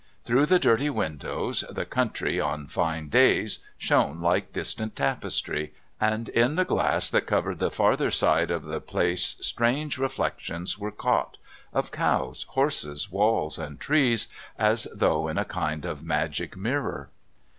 Through the dirty windows the country, on fine days, shone like distant tapestry, and in the glass that covered the farther side of the place strange reflections were caught: of cows, horses, walls, and trees as though in a kind of magic mirror.